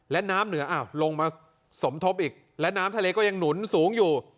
และน้ำเหนืออ้าวลงมาสมทบอีกและน้ำทะเลก็ยังหนุนสูงอยู่